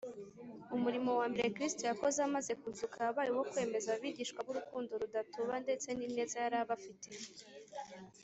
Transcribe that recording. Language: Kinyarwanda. umurimo wa mbere kristo yakoze amaze kuzuka wabaye uwo kwemeza abigishwa be urukundo rudatuba ndetse n’ineza yari abafitiye